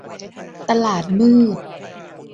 ตลาดมืด